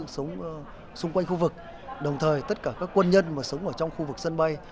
sống xung quanh khu vực đồng thời tất cả các quân nhân mà sống ở trong khu vực sân bay